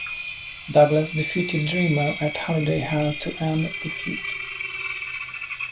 Douglas defeated Dreamer at Holiday Hell to end the feud.